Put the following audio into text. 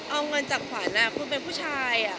เอาเงินจากขวัญคุณเป็นผู้ชาย